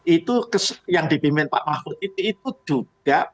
itu yang dipimpin pak mahfud itu juga